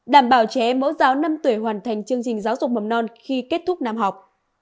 đảm bảo trẻ em mẫu giáo năm tuổi hoàn thành chương trình giáo dục mầm non khi kết thúc năm học